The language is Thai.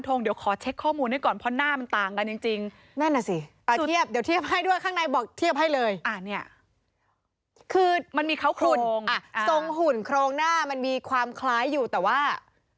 ทรงหุ่นโครงหน้ามันมีความคล้ายอยู่แต่ว่า